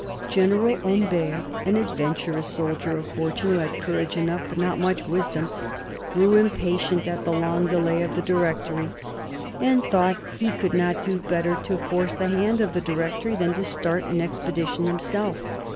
General Humbert, an adventurous soldier of fortune, who had courage enough but not much wisdom, grew impatient at the long delay of the Directory, and thought he could not do better to force the hand of the Directory than to start an expedition himself.